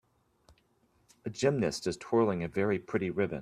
A gymnast is twirling a very pretty ribbon.